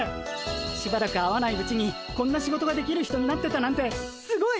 しばらく会わないうちにこんな仕事ができる人になってたなんてすごいっ！